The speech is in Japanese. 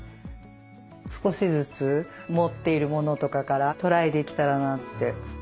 少しずつ持っているものとかからトライできたらなって。